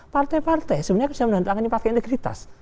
partai partai sebenarnya harus menandatangani fakta integritas